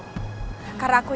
akte kelahiran anak itu